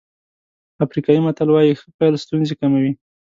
افریقایي متل وایي ښه پيل ستونزې کموي.